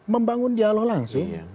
membangun dialog langsung